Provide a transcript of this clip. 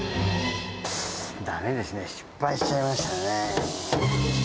だめですね、失敗しちゃいましたね。